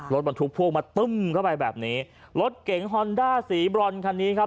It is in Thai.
รถบรรทุกพ่วงมาตึ้มเข้าไปแบบนี้รถเก๋งฮอนด้าสีบรอนคันนี้ครับ